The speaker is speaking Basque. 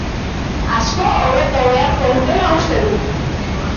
Asko hobetu beharko dutela uste du.